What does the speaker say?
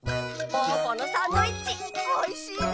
ぽぅぽのサンドイッチおいしいね。